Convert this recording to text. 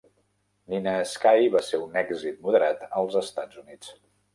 "Nina Sky" va ser un èxit moderat als Estats Units.